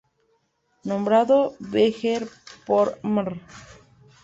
Nombrado Veguer por Mr.